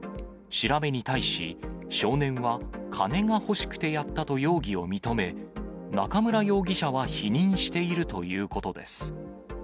調べに対し、少年は、金が欲しくてやったと容疑を認め、中村容疑者は否認しているということです。